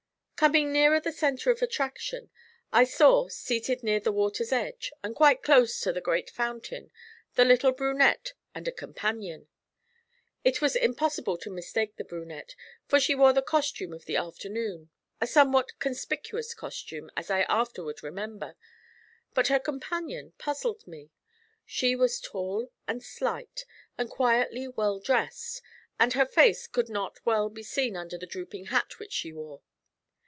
Coming nearer this centre of attraction, I saw, seated near the water's edge, and quite close to the great Fountain, the little brunette and a companion. It was impossible to mistake the brunette, for she wore the costume of the afternoon a somewhat conspicuous costume, as I afterward remembered; but her companion puzzled me. She was tall and slight, and quietly well dressed, and her face could not well be seen under the drooping hat which she wore.